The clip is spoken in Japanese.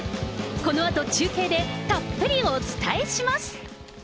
このあと中継でたっぷりお伝えします。